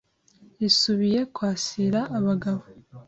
Risubiye kwasira Abagabo